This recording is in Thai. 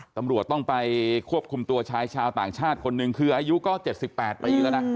ตำรวจต้องไปควบคุมตัวชายชาวต่างชาติคนหนึ่งคืออายุก็๗๘ปีแล้วนะ